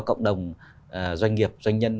cộng đồng doanh nghiệp doanh nhân